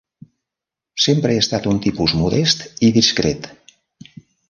Sempre he estat un tipus modest i discret.